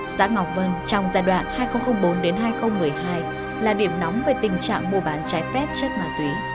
xã ngọc vân trong giai đoạn hai nghìn bốn hai nghìn một mươi hai là điểm nóng về tình trạng mua bán trái phép chất ma túy